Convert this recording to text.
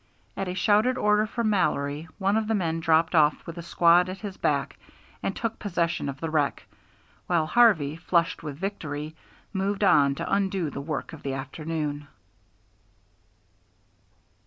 At a shouted order from Mallory, one of his men dropped off with a squad at his back and took possession of the wreck, while Harvey, flushed with victory, moved on to undo the work of the afternoon.